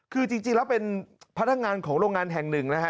คือจริงแล้วเป็นพนักงานของโรงงานแห่งหนึ่งนะฮะ